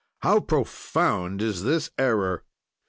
"How profound is this error!